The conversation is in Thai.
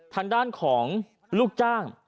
ทางด้านของลูกจ้าง